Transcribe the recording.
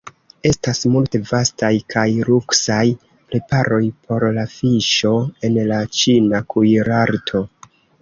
Estas multe vastaj kaj luksaj preparoj por la fiŝo en la ĉina kuirarto.